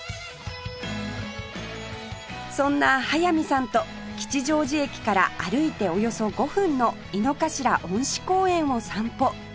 そんな速水さんと吉祥寺駅から歩いておよそ５分の井の頭恩賜公園を散歩